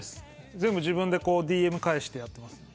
全部、自分でＤＭ返してます。